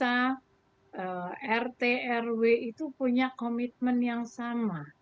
dan juga ketika memang sudah ada disesuaikan kita bisa menggunakan komitmen yang sama